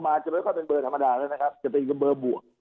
จะไม่ค่อยเป็นเบอร์ธรรมดาแล้วนะครับจะเป็นเบอร์บวก